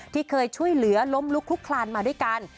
ที่เคยช่วยเหลือล้มลุกลุกคลานมาด้วยกัน